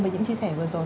với những chia sẻ vừa rồi